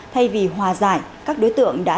thay vì hòa giải các đối tượng đã